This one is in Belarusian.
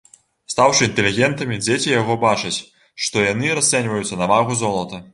Стаўшы інтэлігентамі, дзеці яго бачаць, што яны расцэньваюцца на вагу золата.